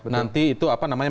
nanti itu apa namanya